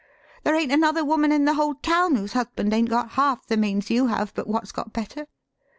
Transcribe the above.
There ain't another woman in the whole town whose husband 'ain't got half the means you have but what's got better.